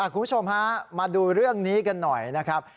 คุณผู้ชมฮะมาดูเรื่องนี้กันหน่อยนะครับ